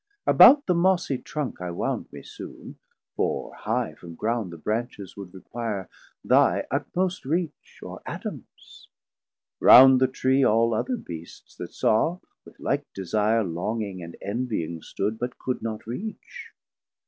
About the Mossie Trunk I wound me soon, For high from ground the branches would require 590 Thy utmost reach or Adams: Round the Tree All other Beasts that saw, with like desire Longing and envying stood, but could not reach.